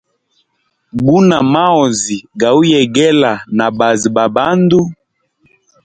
Guna maozi gauyegela na baazi ba bandu.